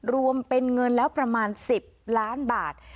รวมเป็นเงินแล้วประมาณ๑๐ล้านบาท